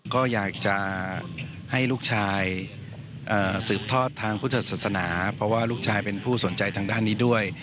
ก็อยากจะให้ลูกชายสืบทอดทางพุทธศาสนาเพราะว่าลูกชายเป็นผู้สนใจทางด้านนี้ด้วย